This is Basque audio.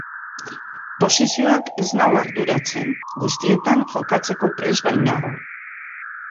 Posizioak ez nau arduratzen, guztietan jokatzeko prest bainago.